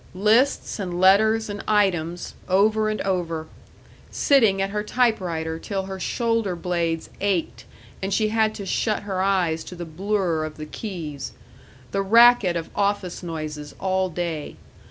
Lists and letters and items, over and over; sitting at her typewriter till her shoulder blades ached and she had to shut her eyes to the blur of the keys. The racket of office noises all day.